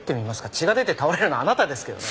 血が出て倒れるのはあなたですけどね。